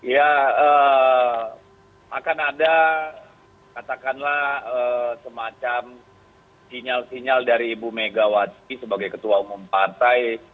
ya akan ada katakanlah semacam sinyal sinyal dari ibu megawati sebagai ketua umum partai